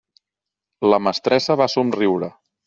La mestressa va somriure.